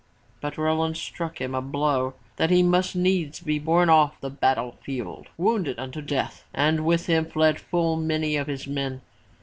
But Roland struck him such a blow that he must needs be borne from off the battle field, wounded unto death, and with him fled full many of his men.